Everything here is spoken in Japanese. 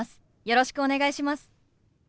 よろしくお願いします。